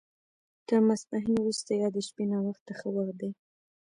تر ماسپښین وروسته یا د شپې ناوخته ښه وخت دی.